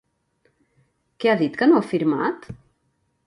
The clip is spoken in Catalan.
Què ha dit que no ha afirmat?